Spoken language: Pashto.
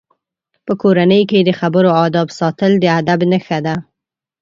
په کورنۍ کې د خبرو آدب ساتل د ادب نښه ده.